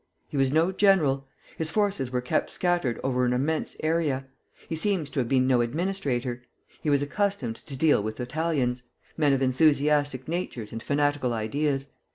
He was no general; his forces were kept scattered over an immense area. He seems to have been no administrator. He was accustomed to deal with Italians, men of enthusiastic natures and fanatical ideas.